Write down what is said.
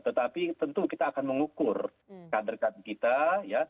tetapi tentu kita akan mengukur kader kader kita ya